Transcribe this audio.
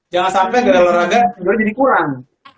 jangan sampai gara gara olahraga tidur jadi kurang